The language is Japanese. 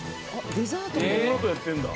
デザートやってんだ。